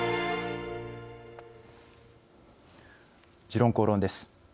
「時論公論」です。